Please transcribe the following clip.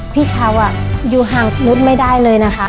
พี่เช้าอยู่ห่างนุษย์ไม่ได้เลยนะคะ